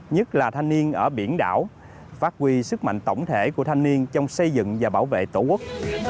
nhất là thanh niên ở biển đảo phát huy sức mạnh tổng thể của thanh niên trong xây dựng và bảo vệ tổ quốc